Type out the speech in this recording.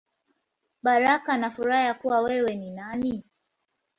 Baraka na Furaha Ya Kuwa Wewe Ni Nani.